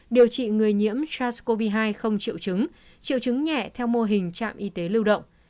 điều trị người nhiễm sars cov hai không triệu chứng triệu chứng nhẹ theo mô hình trạm y tế lưu động